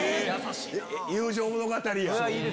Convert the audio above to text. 友情物語や！